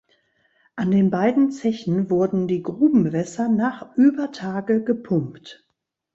An den beiden Zechen wurden die Grubenwässer nach über Tage gepumpt.